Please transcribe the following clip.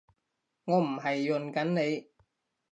我唔係潤緊你